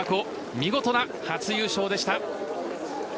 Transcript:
見事な初優勝でした。